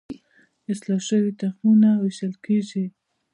اصلاح شوي تخمونه ویشل کیږي.